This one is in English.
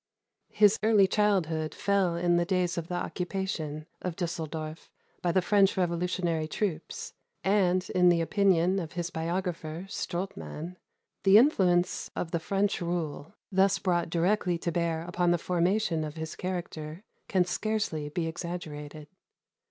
His early childhood fell in the days of the occupation of Düsseldorf by the French revolutionary troops; and, in the opinion of his biographer Strodtmann, the influence of the French rule, thus brought directly to bear upon the formation of his character, can scarcely be exaggerated.